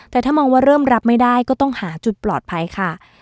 แต่ถ้ามองว่าเริ่มรับไม่ได้ก็ต้องหาจุดปลอดภัยค่ะ